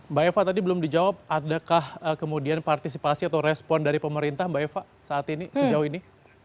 mbak eva tadi belum dijawab adakah kemudian partisipasi atau respon dari pemerintah mbak eva saat ini sejauh ini